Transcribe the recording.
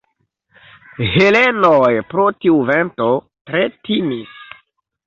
Helenoj pro tiu vento tre timis.